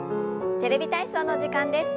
「テレビ体操」の時間です。